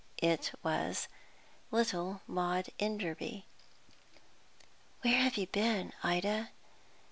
It was little Maud Enderby. "Where have you been, Ida?